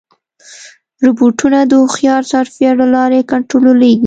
روبوټونه د هوښیار سافټویر له لارې کنټرولېږي.